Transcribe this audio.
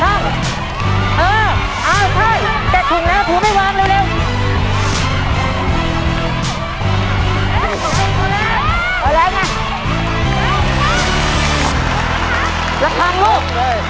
รับทราบแล้วทราบลูก